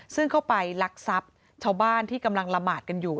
ซึ่งเข้าไปลักทรัพย์ชาวบ้านที่กำลังละหมาดกันอยู่